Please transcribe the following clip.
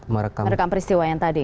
merekam peristiwa yang tadi